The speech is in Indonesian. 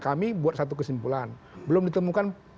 kami buat satu kesimpulan belum ditemukan